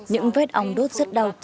những vết ong đốt rất đau